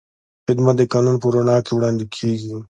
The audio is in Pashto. خدمت د قانون په رڼا کې وړاندې کېږي.